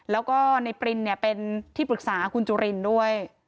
แล้วก็ในปรินเป็นที่ปรึกษาคุณจุรินด้วย